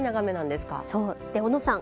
で小野さん